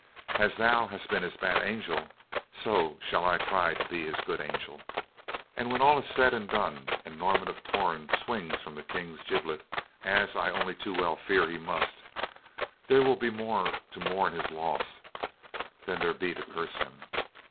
As thou hast been his bad angel, so shall I try to be his good angel, and when all is said and done and Norman of Torn swings from the King's gibbet, as I only too well fear he must, there will be more to mourn his loss than there be to curse him.